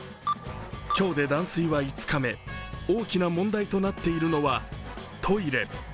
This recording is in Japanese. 今日で断水は５日目大きな問題となっているのはトイレ。